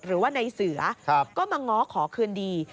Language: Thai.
หรือว่าในเสือก็มาง้อขอคืนดี